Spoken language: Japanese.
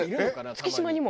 月島にも。